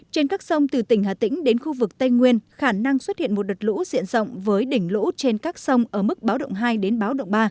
trên các sông từ tỉnh hà tĩnh đến khu vực tây nguyên khả năng xuất hiện một đợt lũ diện rộng với đỉnh lũ trên các sông ở mức báo động hai đến báo động ba